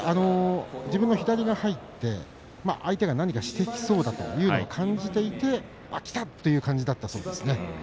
左が入って相手が何かしてきそうだというのを感じていてきたという感じでしたということでした。